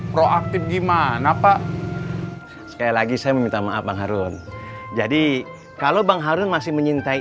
proaktif gimana pak sekali lagi saya meminta maaf bang harun jadi kalau bang harun masih menyintai